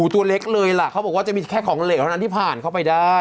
ตัวเล็กเลยล่ะเขาบอกว่าจะมีแค่ของเหลวเท่านั้นที่ผ่านเข้าไปได้